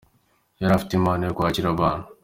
Yari afite impano yo kwakira abantu.